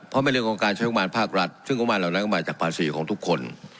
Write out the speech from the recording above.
เพราะในเรื่องของการใช้โรงพยาบาลภาครัฐซึ่งโรงพยาบาลเหล่านั้นก็มาจากภาษีของทุกคน